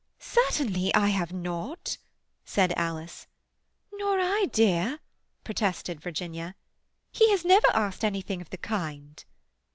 "Certainly I have not," said Alice. "Nor I, dear," protested Virginia. "He has never asked anything of the kind."